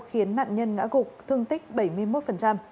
khiến nạn nhân ngã gục thương tích bảy mươi một